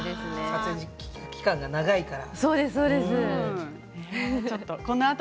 撮影期間が長いから。